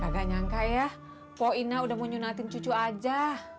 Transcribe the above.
kagak nyangka ya poinnya udah menyunatin cucu aja